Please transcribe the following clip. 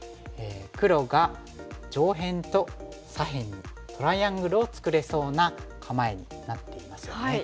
黒が上辺と左辺にトライアングルを作れそうな構えになっていますよね。